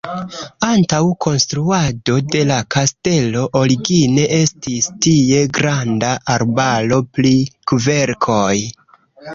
Antaŭ konstruado de la kastelo origine estis tie granda arbaro pri kverkoj.